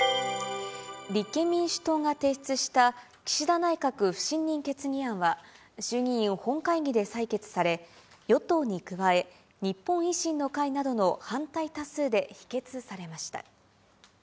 立憲民主党が提出した岸田内閣不信任決議案は、衆議院本会議で採決され、与党に加え、日本維新の会などの反対多数で否決されました。